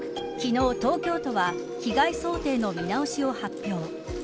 昨日、東京都は被害想定の見直しを発表。